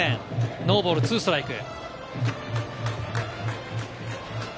ノーボール２ストライク。